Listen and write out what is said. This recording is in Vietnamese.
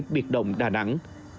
biệt đồng đà nẵng